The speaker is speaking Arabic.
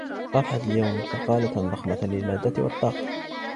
أضحت اليوم سقالة ضخمة للمادة والطاقة